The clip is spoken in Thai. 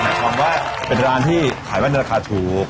ความว่าเป็นร้านที่ขายไว้ในราคาถูก